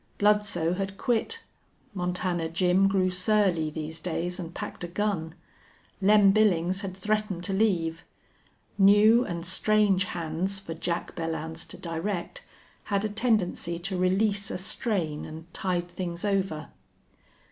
Bludsoe had quit. Montana Jim grew surly these days and packed a gun. Lem Billings had threatened to leave. New and strange hands for Jack Belllounds to direct had a tendency to release a strain and tide things over.